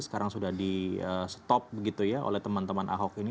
sekarang sudah di stop oleh teman teman aho ini